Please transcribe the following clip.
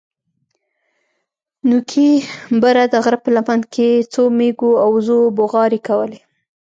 نوكي بره د غره په لمن کښې څو مېږو او وزو بوغارې کولې.